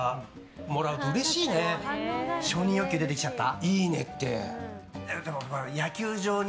承認欲求出てきちゃった？